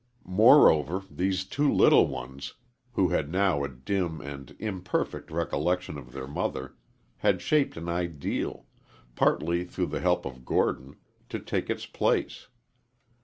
Moreover, these two little ones, who had now a dim and imperfect recollection of their mother, had shaped an ideal partly through the help of Gordon to take its place.